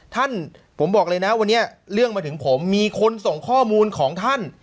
ท่านผมบอกเลยนะวันนี้เรื่องมาถึงผมมีคนส่งข้อมูลของท่าน